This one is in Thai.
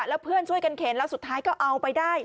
แล้วเพื่อนช่วยกันเข็นแล้วสุดท้ายก็เอาไปได้